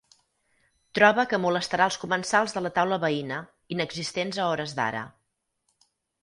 Troba que molestarà els comensals de la taula veïna, inexistents a hores d'ara.